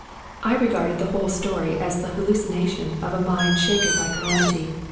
I regarded the whole story as the hallucination of a mind shaken by calamity.